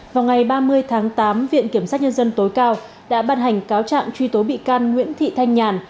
vào ngày ba mươi tháng tám viện kiểm sát nhân dân tối cao đã bàn hành cáo trạng truy tố bị can nguyễn thị thanh nhàn